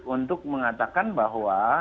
untuk mengatakan bahwa